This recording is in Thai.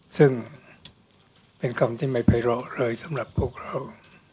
ซึ่งเป็นคำที่ไม่ไปเลาะเลยสำหรับพวกเรา